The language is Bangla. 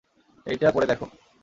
এইটা পরে দেখো।